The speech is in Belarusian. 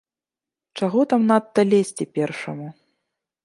Чаго там надта лезці першаму.